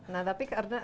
nah tapi karena